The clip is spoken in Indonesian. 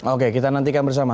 oke kita nantikan bersama